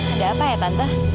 ada apa ya tante